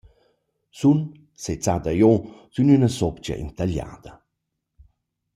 Sun sezzada giò sün üna sopcha intagliada.